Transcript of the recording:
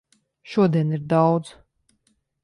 Šodien ir daudz.